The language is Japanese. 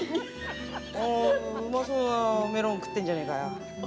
おぉうまそうなメロン食ってるじゃねぇかよ。